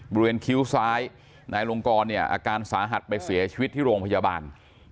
คิ้วซ้ายนายลงกรเนี่ยอาการสาหัสไปเสียชีวิตที่โรงพยาบาล